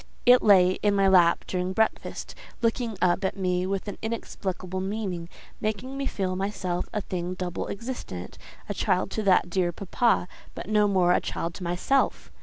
It lay in my lap during breakfast, looking up at me with an inexplicable meaning, making me feel myself a thing double existent—a child to that dear papa, but no more a child to myself.